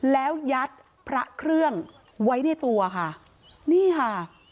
แล้วยัดพระเครื่องไว้ในตัวค่ะนี่ค่ะ